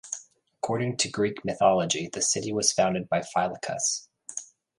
According to Greek mythology, this city was founded by Phylacus.